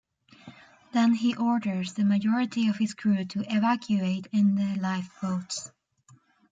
Then he orders the majority of his crew to evacuate in the life boats.